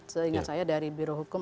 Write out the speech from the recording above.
sehingga saya dari biro hukum